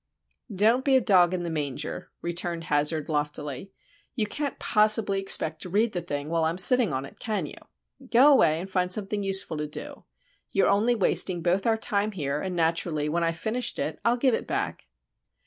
"Don't be a dog in the manger," returned Hazard, loftily. "You can't possibly expect to read the thing while I'm sitting on it, can you? Go away and find something useful to do. You're only wasting both our time here, and naturally, when I've finished it, I'll give it back."